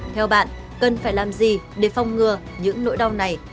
theo bạn cần phải làm gì để phong ngừa những nỗi đau này